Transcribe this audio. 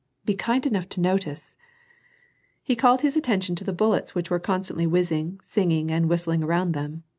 " Be kind enough to notice." He called his attention to the bullets which were constantly whizzing, singing, and whistling around them.